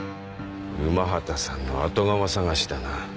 午端さんの後釜探しだな。